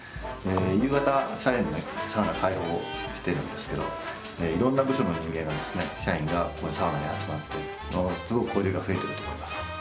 夕方社員にサウナ開放してるんですけどいろんな部署の人間がですね社員がサウナに集まってすごく交流が増えてると思います。